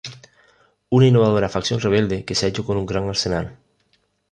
Una innovadora facción rebelde que se ha hecho con un gran arsenal.